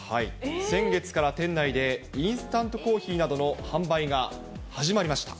先月から店内でインスタントコーヒーなどの販売が始まりました。